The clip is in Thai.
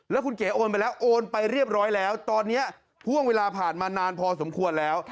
แล้วคุณเก๋โอนไปแล้วโอนไปเรียบร้อยแล้วตอนนี้ห่วงเวลาผ่านมานานพอสมควรแล้ว